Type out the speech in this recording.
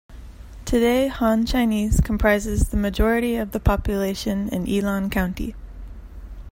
Today Han Chinese comprises the majority of the population in Yilan County.